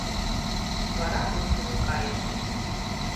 Вара ушыжо кайыш.